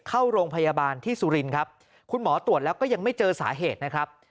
เข้าโรงพยาบาลที่สุรินครับคุณหมอตรวจแล้วก็ยังไม่เจอสาเหตุนะครับ